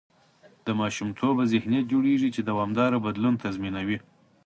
د ماشومتوبه ذهنیت جوړېږي، چې دوامداره بدلون تضمینوي.